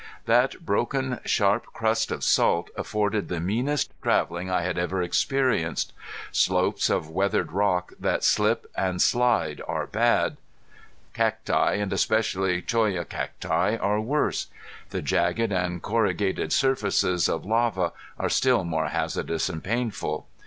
That broken sharp crust of salt afforded the meanest traveling I had ever experienced. Slopes of weathered rock that slip and slide are bad; cacti, and especially choya cacti, are worse: the jagged and corrugated surfaces of lava are still more hazardous and painful.